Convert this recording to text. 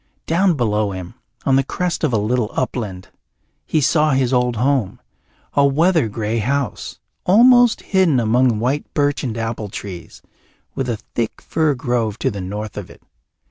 Down below him, on the crest of a little upland, he saw his old home, a weather grey house, almost hidden among white birch and apple trees, with a thick fir grove to the north of it.